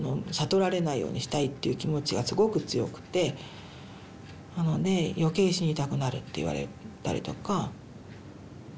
悟られないようにしたいっていう気持ちがすごく強くてなので余計死にたくなるって言われたりとか。